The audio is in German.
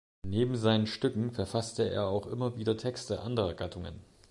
Neben seinen Stücken verfasste er auch immer wieder Texte anderer Gattungen.